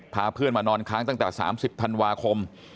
พาเพื่อนมานอนค้างตั้งแต่๓๐ธันวาคม